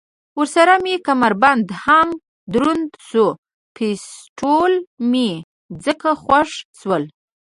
ورسره مې کمربند هم دروند شو، پېسټول مې ځکه خوښ شول.